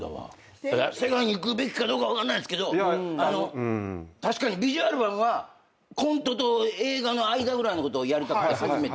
世界に行くべきかどうか分かんないっすけど確かに『ＶＩＳＵＡＬＢＵＭ』はコントと映画の間ぐらいのことをやりたくて始めて。